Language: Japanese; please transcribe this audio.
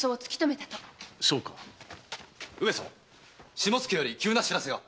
下野より急な報せが。